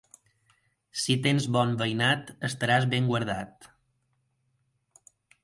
Si tens bon veïnat estaràs ben guardat.